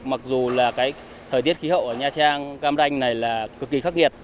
mặc dù là cái thời tiết khí hậu ở nha trang cam ranh này là cực kỳ khắc nghiệt